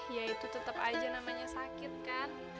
ya itu tetap aja namanya sakit kan